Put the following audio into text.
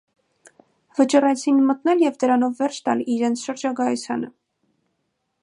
Վճռեցին մտնել և դրանով վերջ տալ իրենց շրջագայությանը.